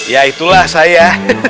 ya itulah saya